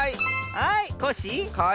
はいコッシー。